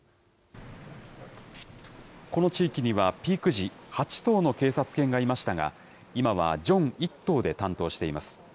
この地域にはピーク時、８頭の警察犬がいましたが、今はジョン１頭で担当しています。